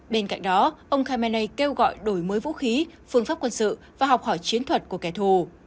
bên cạnh đó ông khamenei kêu gọi đổi mới vũ khí phương pháp quân sự và học hỏi chiến thuật của kẻ thù